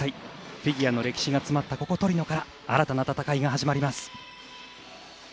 フィギュアの歴史が詰まったここトリノから新たな戦いが始まります。